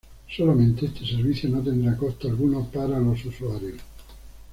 Solamente este servicio no tendrá costo alguno para los usuarios.